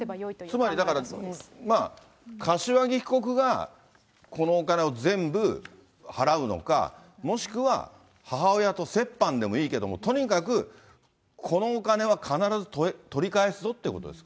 つまりだから、まあ柏木被告がこのお金を全部払うのか、もしくは、母親と折半でもいいけども、とにかくこのお金は必ず取り返すぞってことですか。